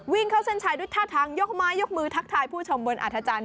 วิ่งเข้าเส้นชายด้วยท่าทางยกไม้ยกมือทักทายผู้ชมบนอาธจันทร์